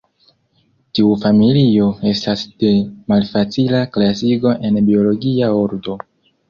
Tiu familio estas de malfacila klasigo en biologia ordo.